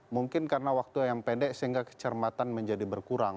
mungkin karena waktu yang pendek sehingga kecermatan menjadi berkurang